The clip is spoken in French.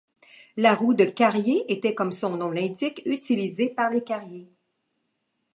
La roue de carrier était comme son nom l'indique utilisée par les carriers.